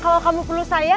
kalau kamu perlu saya